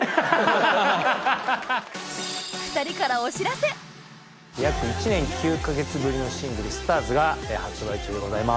２人から約１年９か月ぶりのシングル『ＳＴＡＲＳ』が発売中でございます。